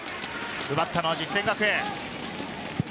奪ったのは実践学園。